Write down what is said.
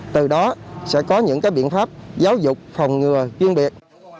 từ đó sẽ có những biện pháp giáo dục phòng ngừa chuyên biệt